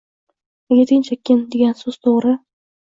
Nega Tinch okean degan soʻz toʻgʻri